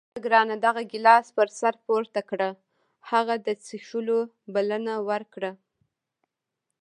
واخله ګرانه دغه ګیلاس پر سر پورته کړه. هغه د څښلو بلنه ورکړه.